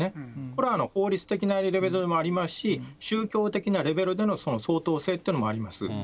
これ、法律的なレベルでもありますし、宗教的なレベルでの相当性というのもあります。